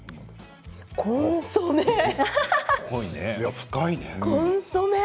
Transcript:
深いね。